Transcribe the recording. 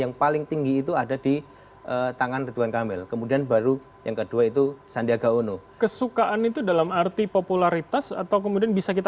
jadi menurut saya antara satu kali saya menurut agama kan memang rasa saya tidak mau diturunkan di engkau